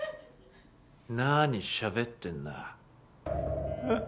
何しゃべってんだ？